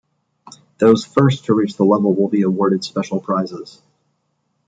Those first to reach the level will be awarded special prizes.